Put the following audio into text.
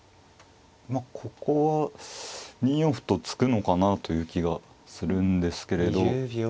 まあここは２四歩と突くのかなという気がするんですけれど。